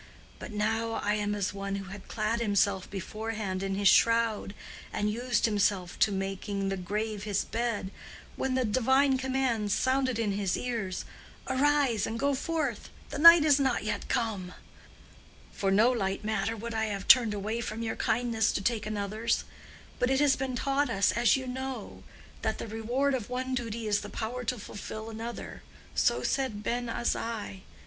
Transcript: But now I am as one who had clad himself beforehand in his shroud, and used himself to making the grave his bed, when the divine command sounded in his ears, 'Arise, and go forth; the night is not yet come.' For no light matter would I have turned away from your kindness to take another's. But it has been taught us, as you know, that the reward of one duty is the power to fulfill another—so said Ben Azai.